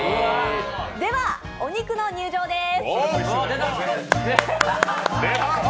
では、お肉の入場です！